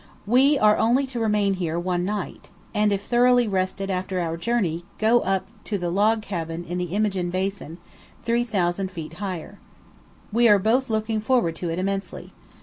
We are only to remain here one night, and, if thoroughly rested after our journey, go up to the log cabin in the Imogene Basin, 3,000 feet higher. We are both looking forward to it immensely.